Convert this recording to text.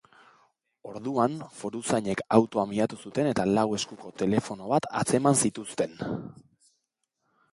Orduan, foruzainek autoa miatu zuten eta lau eskuko telefono atzeman zituzten.